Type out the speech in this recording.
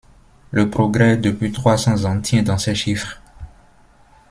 Le progrès depuis trois cents ans tient dans ces chiffres.